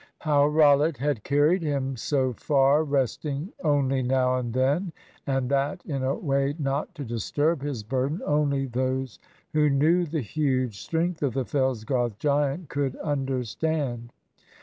How Rollitt had carried him so far, resting only now and then, and that in a way not to disturb his burden, only those who knew the huge strength of the Fellsgarth giant could understand.